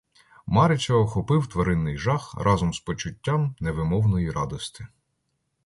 Марича охопив тваринний жах разом з почуттям невимовної радости.